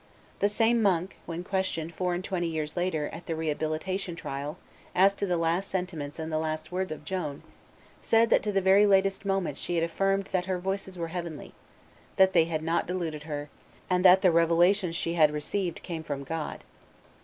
The same monk, when questioned four and twenty years later, at the rehabilitation trial, as to the last sentiments and the last words of Joan, said that to the very latest moment she had affirmed that her voices were heavenly, that they had not deluded her, and that the revelations she had received came from God.